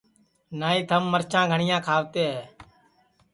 نائی تھم مَرچا گھٹیا کھاوتے ہے